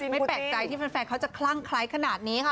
ไม่แปลกใจที่แฟนเขาจะคลั่งคล้ายขนาดนี้ค่ะ